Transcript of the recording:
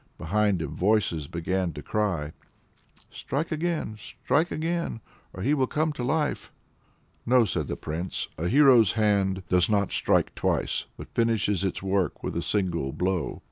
Behind him voices began to cry: "Strike again! strike again! or he will come to life!" "No," replied the Prince, "a hero's hand does not strike twice, but finishes its work with a single blow."